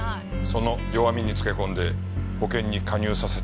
その弱みにつけ込んで保険に加入させたわけですか？